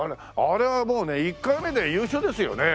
あれはもうね１回目で優勝ですよね。